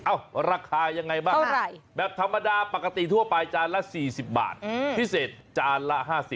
ราคายังไงบ้างแบบธรรมดาปกติทั่วไปจานละ๔๐บาทพิเศษจานละ๕๐